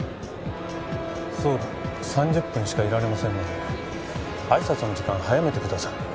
総理３０分しかいられませんので挨拶の時間早めてください。